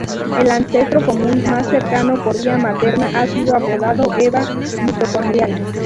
El ancestro común más cercano por vía materna ha sido apodado Eva mitocondrial.